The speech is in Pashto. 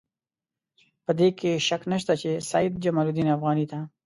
په دې کې شک نشته چې سید جمال الدین افغاني ته.